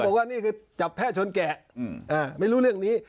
บอกว่านี่คือจับแพทย์ชนแกะไม่รู้เรื่องนี้